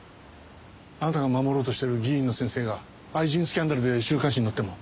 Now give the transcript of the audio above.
あなたが守ろうとしてる議員の先生が愛人スキャンダルで週刊誌に載っても。